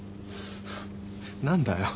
何だよ？